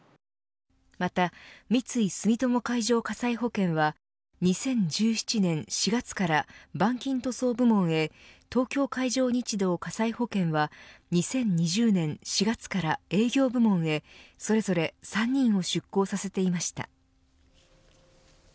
また三井住友海上火災保険は２０１７年４月から板金塗装部門へ東京海上日動火災保険は２０２０年４月から営業部門へそれぞれ３人を出向させていました。